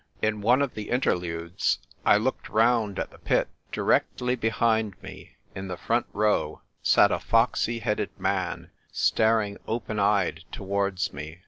In one of the interludes I looked round at the pit. Directly behind me, in the front row, sat a foxey headed man staring open eyed towards me.